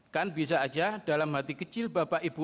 kan bisa aja dalam hati kecil bapak ibu